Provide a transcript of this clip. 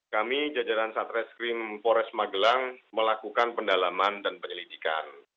kami jajaran satreskrim pores magelang melakukan pendalaman dan penyelidikan